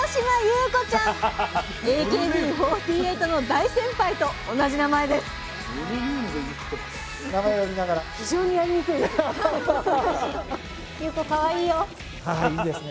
ＡＫＢ４８の大先輩と同じ名前ですああいいですね。